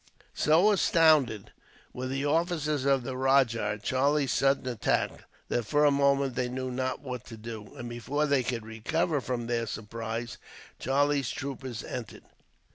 So astounded were the officers of the rajah, at Charlie's sudden attack, that for a moment they knew not what to do; and before they could recover from their surprise, Charlie's troopers entered.